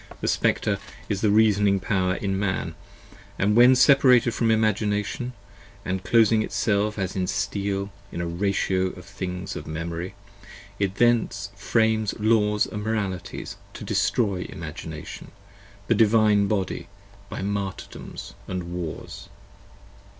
10 The Spectre is the Reasoning Power in Man; & when separated From Imagination, and closing itself as in steel, in a Ratio Of the Things of Memory, It thence frames Laws & Moralities To destroy Imagination, the Divine Body, by Martyrdoms & Wars.